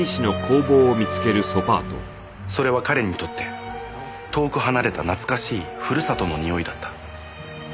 それは彼にとって遠く離れた懐かしいふるさとの匂いだった。